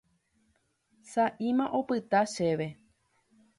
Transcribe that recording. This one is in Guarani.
Sa'íma opyta chéve.